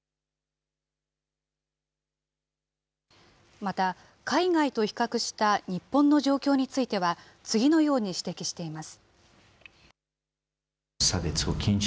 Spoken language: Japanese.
また、海外と比較した日本の状況については、次のように指摘しています。